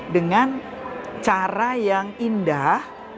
dengan cara yang indah